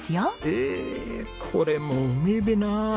ええこれもうめえべな。